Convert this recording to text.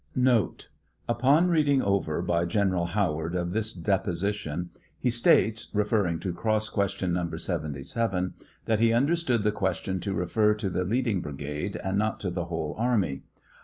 Note. — Upon reading over, by General Howard, of this ■ deposition, he states, (referring to cross ques tion No. 77,) that he understood the question to refer to the leading brigade, and not to the whole army.